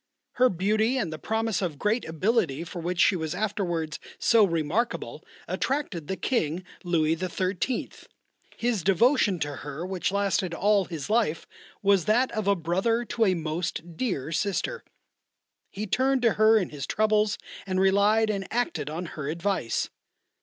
Her beauty and the promise of great ability for which she was afterwards so remarkable attracted the King Louis XIII. His devotion to her which lasted all his life was that of a brother to a most dear sister. He turned to her in his troubles and relied and acted on her advice.